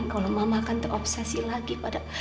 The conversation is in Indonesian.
kalau mama akan terobsesi lagi pada